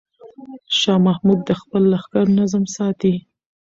شاه محمود د خپل لښکر نظم ساتي.